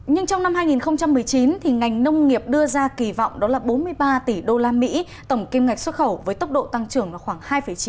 nhưng trong năm hai nghìn một mươi chín ngành nông nghiệp đưa ra kỳ vọng đó là bốn mươi ba tỷ usd tổng kim ngạch xuất khẩu với tốc độ tăng trưởng khoảng hai chín